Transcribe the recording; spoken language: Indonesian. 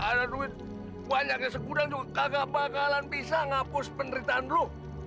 ada duit banyaknya sekudang juga kagak bakalan bisa ngapus penderitaan lo